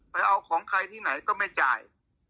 ไปเอาของใครที่ไหนก็ไม่จ่าย